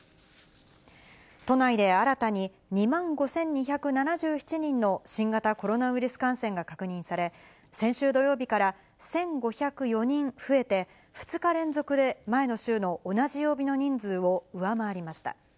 都内で新たに２万５２７７人の新型コロナウイルス感染が確認され、先週土曜日から１５０４人増えて、２日連続で前の週の同じ曜日の人数を上回りました。